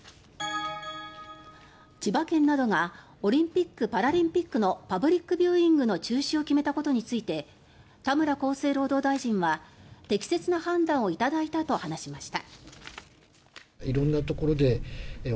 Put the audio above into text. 千葉県などがオリンピック・パラリンピックのパブリックビューイングの中止を決めたことについて田村厚生労働大臣は適切な判断をいただいたと話しました。